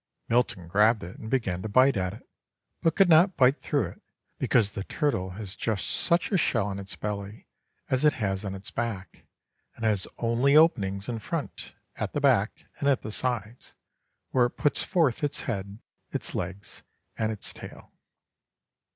Milton grabbed it and began to bite at it, but could not bite through it, because the turtle has just such a shell on its belly as it has on its back, and has only openings in front, at the back, and at the sides, where it puts forth its head, its legs, and its tail.